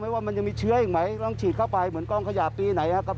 ไม่ว่ามันยังมีเชื้ออีกไหมเราต้องฉีดเข้าไปเหมือนกล้องขยะปีไหนฮะ